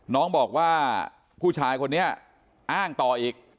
น้องบอกว่าผู้ชายคนนี้อ้างต่ออีก